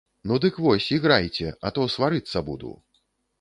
Ну дык вось, іграйце, а то сварыцца буду.